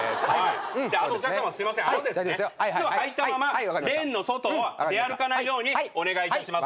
あとお客さま靴を履いたままレーンの外を出歩かないようにお願いいたします。